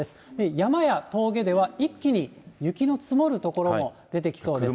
山や峠では一気に雪の積もる所も出てきそうです。